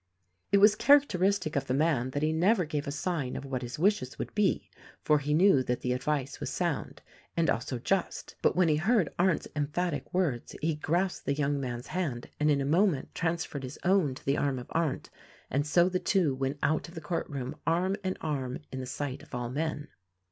It was characteristic of the man that he never gave a sign of what his wishes would be; for he knew that the advice was sound — and also just; but when he heard Arndt's emphatic words he grasped the young man's hand and in a moment transferred his own to the arm of Arndt, and so the two went out of the court room arm in arm in the sight of all men.